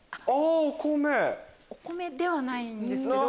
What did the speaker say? お米ではないんですけど。